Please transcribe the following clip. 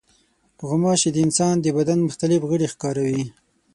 غوماشې د انسان د بدن مختلف غړي ښکاروي.